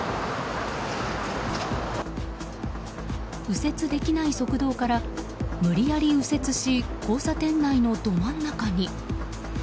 右折できない側道から無理やり、右折し交差点のど真ん中に。